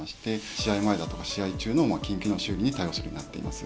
試合前だとか試合中の緊急の修理に対応するようになっています。